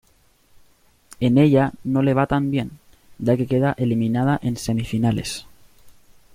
En ella no le va tan bien, ya que queda eliminada en semifinales.